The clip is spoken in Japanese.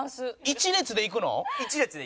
１列でいくの？